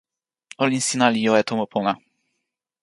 olin sina li jo e tomo pona.